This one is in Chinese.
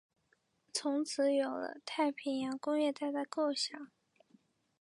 从此有了太平洋工业带的构想。